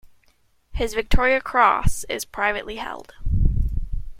His Victoria Cross is privately held.